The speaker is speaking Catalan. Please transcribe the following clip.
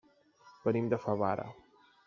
Venim de Favara.